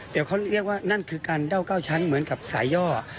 แต่เขาเรียกว่านั่นคือการเดา๙ชั้นเหมือนกับสายย่อ